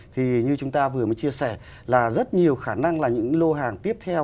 thì như chúng ta vừa mới chia sẻ là rất nhiều khả năng là những lô hàng tiếp theo